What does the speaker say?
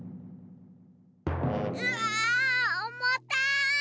うわおもたい！